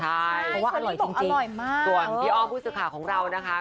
เพราะว่าอร่อยจริงส่วนพี่อ้อมผู้ศึกขาของเรานะคะ